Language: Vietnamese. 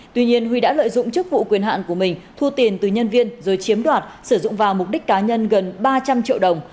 tuy nhiên huy đã lợi dụng chức vụ quyền hạn của mình thu tiền từ nhân viên rồi chiếm đoạt sử dụng vào mục đích cá nhân gần ba trăm linh triệu đồng